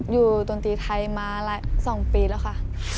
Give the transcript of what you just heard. คือต้นตรีไทยมาละ๒ปีแล้วค่ะ